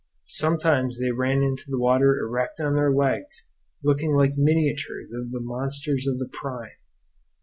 Sometimes they ran into the water erect on their legs, looking like miniatures of the monsters of the prime.